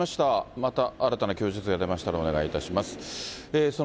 また新たな供述が出ましたらお願いいたします。